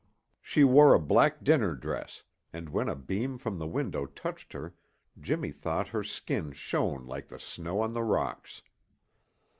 She wore a black dinner dress and when a beam from the window touched her Jimmy thought her skin shone like the snow on the rocks.